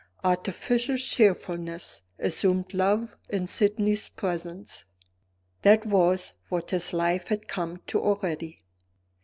Artificial cheerfulness, assumed love in Sydney's presence that was what his life had come to already.